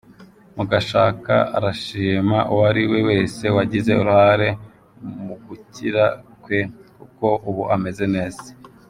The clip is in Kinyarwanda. Mukashaka arashima uwari we wese wagize uruhare mu gukira kwe kuko ubu ameze neza.